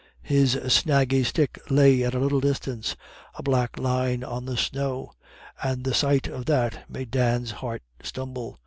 His snaggy stick lay at a little distance, a black line on the snow, and the sight of that made Dan's heart stumble.